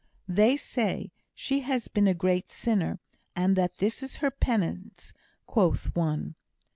"They say she has been a great sinner, and that this is her penance," quoth one.